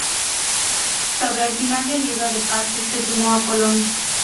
Sobre el final del libro de pases, se sumó a Colón.